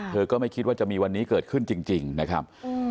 ก็ไม่คิดว่าจะมีวันนี้เกิดขึ้นจริงนะครับ